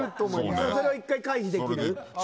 それを１回、回避できる。